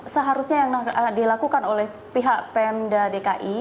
seharusnya yang dilakukan oleh pihak pemda dki